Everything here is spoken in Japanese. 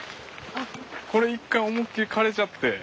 これ一回思いっきり枯れちゃって。